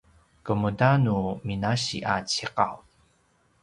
kemuda nu minasi a ciqav?